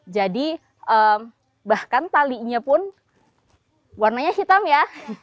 jadi bahkan talinya pun warnanya hitam ya